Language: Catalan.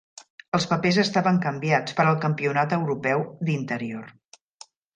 Els papers estaven canviats per al Campionat europeu d'interior.